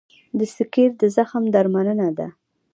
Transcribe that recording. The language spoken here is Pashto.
د سکېر د زخم درملنه ده.